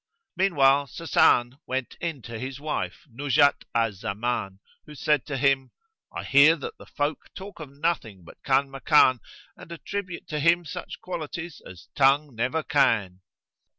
Meanwhile Sasan went in to his wife, Nuzhat al Zaman, who said to him, "I hear that the folk talk of nothing but Kanmakan and attribute to him such qualities as tongue never can."